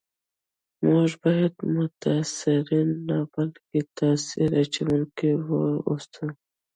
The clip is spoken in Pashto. موږ باید متاثرین نه بلکي تاثیر اچونکي و اوسو